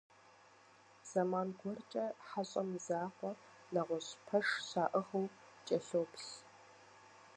Зэман гуэркӏэ «хьэщӏэм» и закъуэ нэгъуэщӏ пэш щаӏыгъыу кӏэлъоплъ.